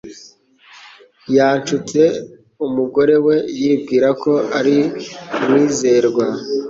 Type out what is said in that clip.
yashutse umugore we yibwira ko ari umwizerwa .